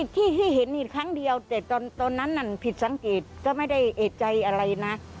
ที่ให้เห็นอีกครั้งเดียวแต่ตอนนั้นผิดสังเกตก็ไม่ได้เอกใจอะไรนะ